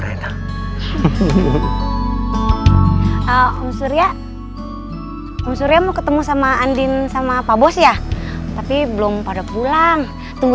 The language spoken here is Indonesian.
itu om surya mau ketemu sama andin sama pak bos ya tapi belum pada pulang tunggu